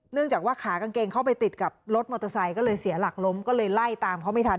จากว่าขากางเกงเข้าไปติดกับรถมอเตอร์ไซค์ก็เลยเสียหลักล้มก็เลยไล่ตามเขาไม่ทัน